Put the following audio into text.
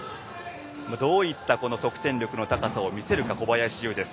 どういった得点力の高さを見せるか、小林悠です。